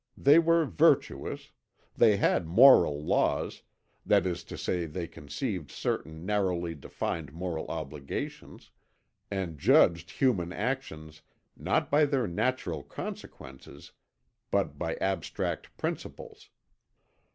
They were virtuous; they had moral laws, that is to say they conceived certain narrowly defined moral obligations, and judged human actions not by their natural consequences but by abstract principles.